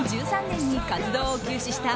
２０１３年に活動を休止した